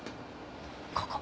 ここ。